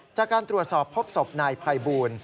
จากการตรวจสอบพบศพนายภัยบูล